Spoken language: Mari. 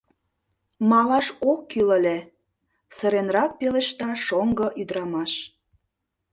Малаш ок кӱл ыле, — сыренрак пелешта шоҥго ӱдырамаш.